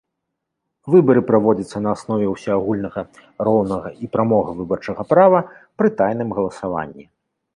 Выбары праводзяцца на аснове ўсеагульнага, роўнага і прамога выбарчага права пры тайным галасаванні.